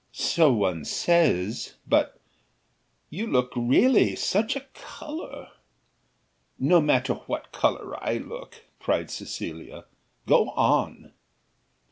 "So one says; but you look really, such a colour." "No matter what colour I look," cried Cecilia; "go on."